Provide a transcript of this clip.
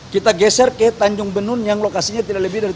kita geser ke tanjung benun yang lokasinya tidak lebih dari